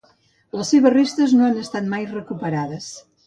Les seves restes no han estat mai recuperades.